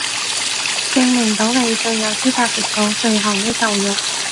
證明到你最有資格食到最後呢嚿肉